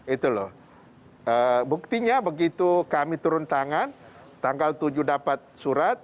itu loh buktinya begitu kami turun tangan tanggal tujuh dapat surat